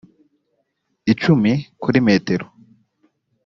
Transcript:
icumi kuri metero